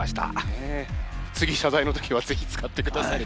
次謝罪の時は是非使ってください。